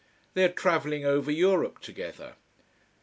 They are traveling over Europe together.